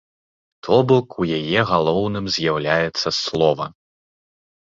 То бок, у яе галоўным з'яўляецца слова.